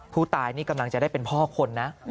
ผู้ตายนี่กำลังจะได้เป็นพ่อคนนะ